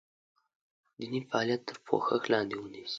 دیني فعالیت تر پوښښ لاندې ونیسي.